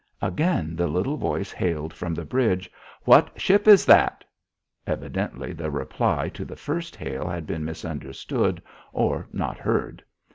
Again the little voice hailed from the bridge. "What ship is that?" Evidently the reply to the first hail had been misunderstood or not heard.